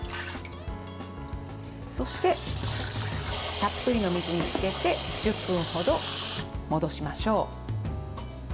そして、たっぷりの水につけて１０分程戻しましょう。